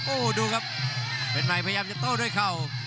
โอ้ดูครับเพชรใหม่พยายามจะโต้ด้วยเขา